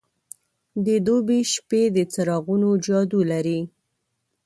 د دوبی شپې د څراغونو جادو لري.